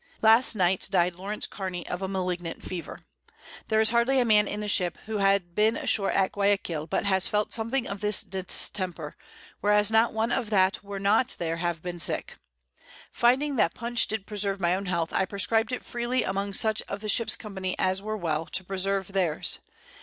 Last Night died Law. Carney of a malignant Fever. There is hardly a Man in the Ship, who had been ashore at Guiaquil, but has felt something of this Distemper, whereas not one of those that were not there have been sick yet. Finding that Punch did preserve my own Health, I prescribed it freely among such of the Ships Company as were well, to preserve theirs.